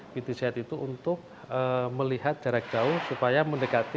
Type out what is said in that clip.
ptz itu untuk melihat jarak jauh supaya mendekati